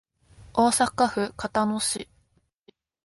大阪府交野市